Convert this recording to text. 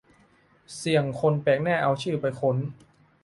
เสี่ยงคนแปลกหน้าเอาชื่อไปค้น